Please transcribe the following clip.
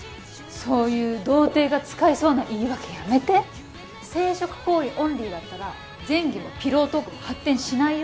そういう童貞が使いそうな言い訳やめて生殖行為オンリーだったら前戯もピロートークも発展しないよ